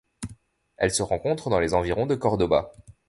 Elle se rencontre dans les environs de Córdoba.